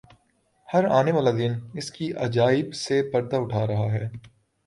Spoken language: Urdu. ہر آنے والا دن اس کے عجائب سے پردہ اٹھا رہا ہے۔